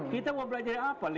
kita mau belajar apa